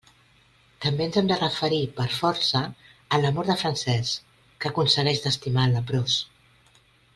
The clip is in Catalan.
També ens hem de referir per força a l'amor de Francesc, que aconsegueix d'estimar el leprós.